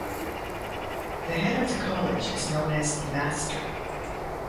The head of the college is known as the "master".